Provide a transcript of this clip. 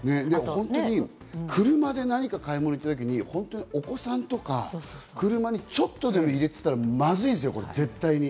本当に車で何か買い物に行った時にお子さんとか、車にちょっとでも入れておいたらまずいですよ、絶対に。